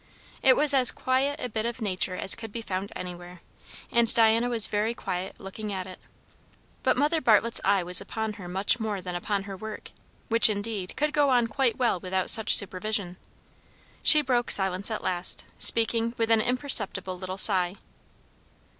It was as quiet a bit of nature as could be found anywhere; and Diana was very quiet looking at it. But Mrs. Bartlett's eye was upon her much more than upon her work; which, indeed, could go on quite well without such supervision. She broke silence at last, speaking with an imperceptible little sigh.